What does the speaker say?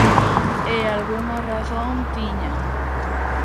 E algunha razón tiñan.